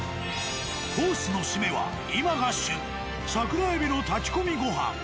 コースの締めは今が旬桜海老の炊き込みご飯。